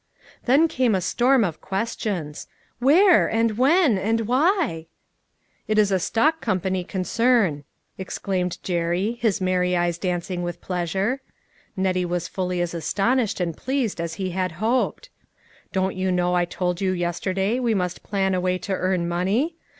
Then came a storm of questions. " Where ? and When ? and Why ?"" It is a stock company concern," exclaimed Jerry, his merry eyes dancing with pleasure. Nettie was fully as astonished and pleased as he A WILL AND A WAY. 279 had hoped. " Don't you know I told you yester day we must plan a way to earn money